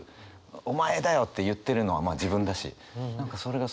お前だよって言ってるのはまあ自分だし何かそれがすごく面白いですね。